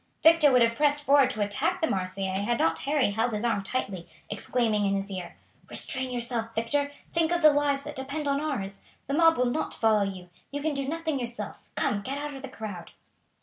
Victor would have pressed forward to attack the Marseillais had not Harry held his arm tightly, exclaiming in his ear: "Restrain yourself, Victor. Think of the lives that depend upon ours. The mob will not follow you. You can do nothing yourself. Come, get out of the crowd."